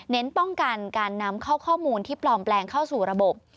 ป้องกันการนำเข้าข้อมูลที่ปลอมแปลงเข้าสู่ระบบ